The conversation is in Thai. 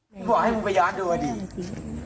ผมบอกให้มึงไปย้อนดูอดีต